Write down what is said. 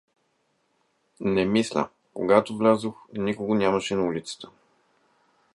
— Не; мисля, когато влязох, никого нямаше на улицата.